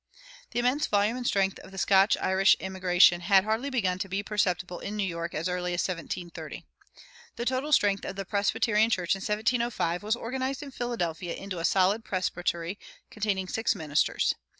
The immense volume and strength of the Scotch Irish immigration had hardly begun to be perceptible in New York as early as 1730. The total strength of the Presbyterian Church in 1705 was organized in Philadelphia into a solitary presbytery containing six ministers.